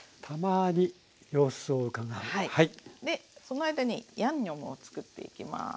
その間にヤンニョムを作っていきます。